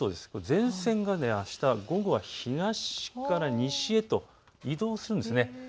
前線があした午後は東から西へと移動するんです。